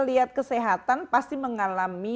lihat kesehatan pasti mengalami